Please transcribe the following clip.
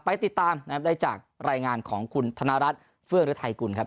ไปติดตามนะครับได้จากรายงานของคุณธนรัฐเฟื้องฤทัยกุลครับ